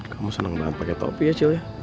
kamu seneng banget pake topi ya cil ya